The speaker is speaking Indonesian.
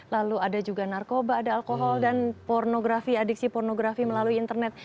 lalu ada juga narkoba ada alkohol dan pornografi adiksi pornografi melalui internet